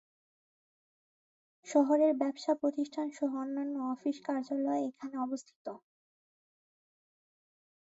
শহরের ব্যবসা প্রতিষ্ঠান সহ অন্যান্য অফিস কার্যালয় এখানে অবস্থিত।